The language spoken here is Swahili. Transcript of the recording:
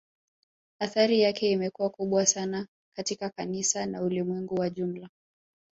Athari yake imekuwa kubwa sana katika kanisa na Ulimwengu kwa jumla